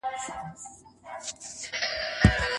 هغه څوک چې کار کوي پرمختګ کوي.